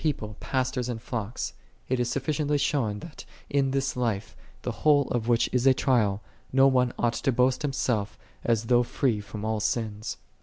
people, pastors and flocks; it is sufficiently j shown that in this life, the whole of which is | a trial, no one ought to boast himself as 'though free from all sins.